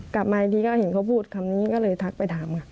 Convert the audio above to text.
กลับมาอีกทีก็เห็นเขาพูดคำนี้ก็เลยทักไปถามค่ะ